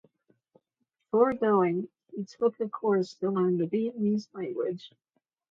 Before going he took a course to learn the Vietnamese language.